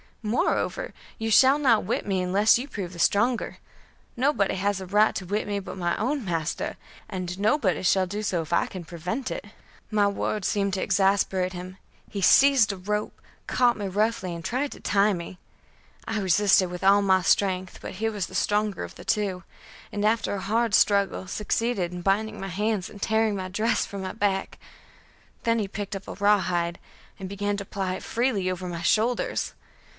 Moreover, you shall not whip me unless you prove the stronger. Nobody has a right to whip me but my own master, and nobody shall do so if I can prevent it." My words seemed to exasperate him. He seized a rope, caught me roughly, and tried to tie me. I resisted with all my strength, but he was the stronger of the two, and after a hard struggle succeeded in binding my hands and tearing my dress from my back. Then he picked up a rawhide, and began to ply it freely over my shoulders.